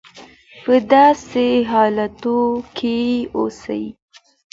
په داسې حالاتو کې اوسي.